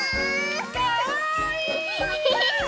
かわいい！